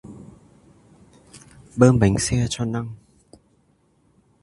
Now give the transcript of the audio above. Bơm bánh xe cho năng